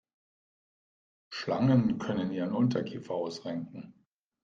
Schlangen können ihren Unterkiefer ausrenken.